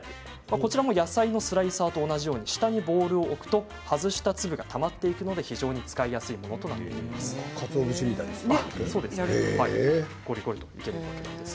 こちらも野菜のスライサーと同じように下にボウルを置くと外した粒がたまっていくので非常に使いやすいということです。